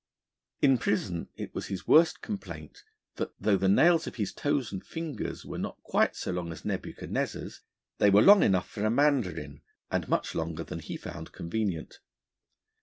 In prison it was his worst complaint that, though the nails of his toes and fingers were not quite so long as Nebuchadnezzar's, they were long enough for a mandarin, and much longer than he found convenient.